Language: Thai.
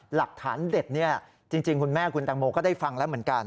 หลักฐานเด็ดจริงคุณแม่คุณแตงโมก็ได้ฟังแล้วเหมือนกัน